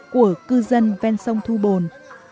của cư dân ven sông thu bồn